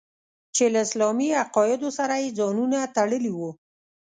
چې له اسلامي عقایدو سره یې ځانونه تړلي وو.